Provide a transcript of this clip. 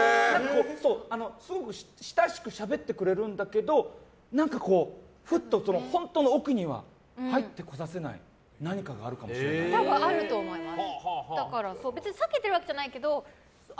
すごく親しくしゃべってくれるんだけど何かこう、フッと本当の奥には入ってこさせないあると思います。